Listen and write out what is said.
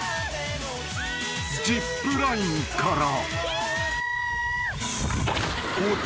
［ジップラインから］